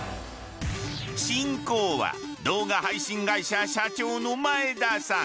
進行は動画配信会社社長の前田さん。